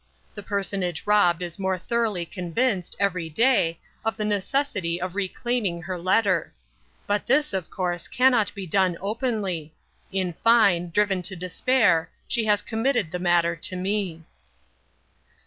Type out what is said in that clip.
The personage robbed is more thoroughly convinced, every day, of the necessity of reclaiming her letter. But this, of course, cannot be done openly. In fine, driven to despair, she has committed the matter to me."